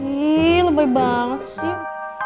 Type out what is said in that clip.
ih lebih banget sih